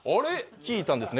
聞いたんですね